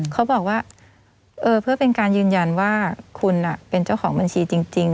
เขาบอกว่าเพื่อเป็นการยืนยันว่าคุณเป็นเจ้าของบัญชีจริง